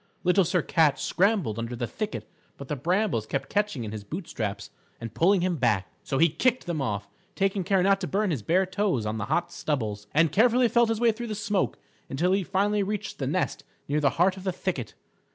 Little Sir Cat scrambled under the thicket but the brambles kept catching in his boot straps and pulling him back. So he kicked them off, taking care not to burn his bare toes on the hot stubbles, and carefully felt his way through the smoke until he finally reached the nest near the heart of the thicket.